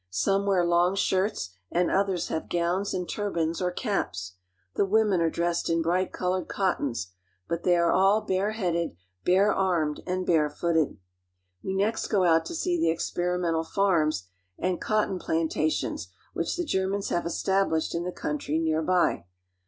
Some wear long shirts and others have gowns and turbans or caps. The women are dressed in bright colored cottons; but they are all bare headed, barearined, and barefooted. We next go out to see the coffee, vanilla, cacao, and cotton plantations which the Germans have established in THROUGH GERMAN EAST AFRICA TO INDIAN OCEAN 257 E'the country near by.